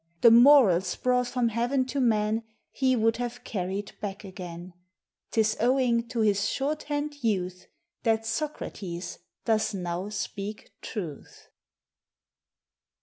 The morals brought from Heav'n to men He would have carry'd back again; 'Tis owing to his short hand youth That Socrates does now speak truth."